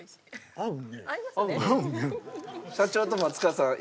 合うね。